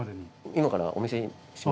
今からお見せします。